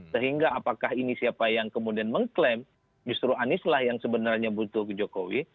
sehingga apakah ini siapa yang kemudian mengklaim justru anieslah yang sebenarnya butuh ke jokowi